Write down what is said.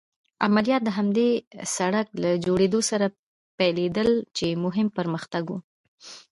عملیات د همدې سړک له جوړېدو سره پيلېدل چې مهم پرمختګ و.